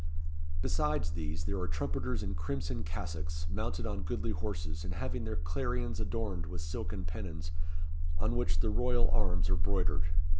Besides these, there are trumpeters in crimson cassocks, mounted on goodly horses, and having their clarions adorned with silken pennons, on which the royal arms are broidered.